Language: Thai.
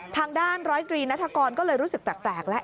ทางด้านร้อยตรีนาธกรก็เลยรู้สึกแปลกแล้ว